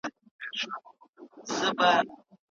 وفا د ایمان برخه ده.